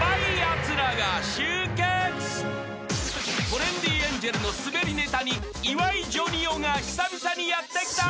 ［トレンディエンジェルのスベリネタに岩井ジョニ男が久々にやって来た］